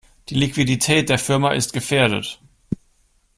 Die Liquidität der Firma ist gefährdet.